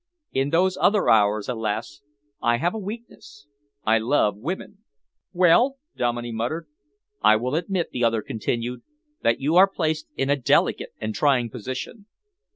In those other hours, alas! I have a weakness, I love women." "Well?" Dominey muttered. "I will admit," the other continued, "that you are placed in a delicate and trying position.